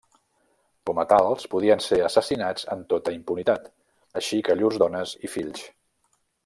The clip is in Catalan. Com a tals, podien ser assassinats en tota impunitat, així que llurs dones i fills.